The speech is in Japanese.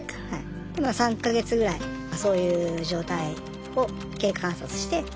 ３か月ぐらいそういう状態を経過観察して。